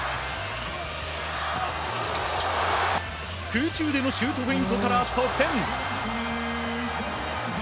空中でのシュートフェイントから得点！